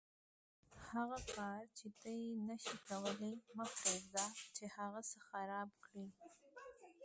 هغه کار چې ته یې نشې کولای مه پرېږده چې هغه څه خراب کړي.